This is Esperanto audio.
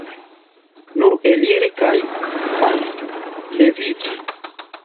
Nur eliri kaj malleviĝi!